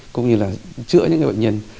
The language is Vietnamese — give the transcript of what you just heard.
cũng như là chữa những bệnh nhân